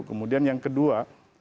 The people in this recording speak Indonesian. kemudian yang kedua